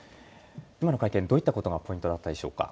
今の会見どういったことがポイントだったでしょうか。